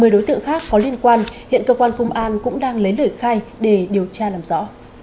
một mươi đối tượng khác có liên quan hiện cơ quan công an cũng đang lấy lời khai để điều tra làm rõ